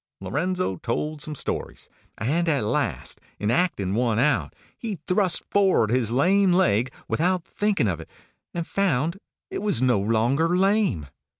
Lorenzo told some stories, and at last, in acting out one, he thrust forward his lame leg, without thinking of it, and found it was no longer lame.